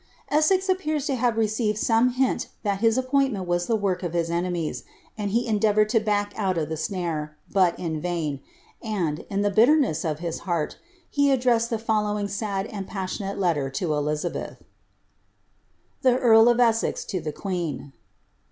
Essex appears to have received some hint that his appointment was the work of his enemies, and he endeavoured to back out of the snare^ but in vain, and, in the bitterness of his heart, he addressed the follow^ ing sad and passionate letter to Elizabeth :— Tax RiRL OF Essxx to thx Qvxxir.